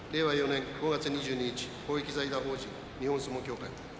４年５月２２日公益財団法人日本相撲協会